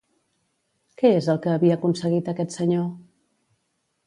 Què és el que havia aconseguit aquest senyor?